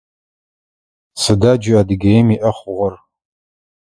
Сыда джы Адыгеим иӏэ хъугъэр?